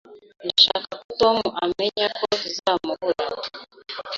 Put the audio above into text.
Ndashaka ko Tom amenya ko tuzamubura